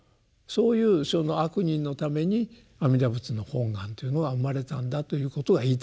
そういうその「悪人」のために阿弥陀仏の本願というのが生まれたんだということが言いたいわけですね。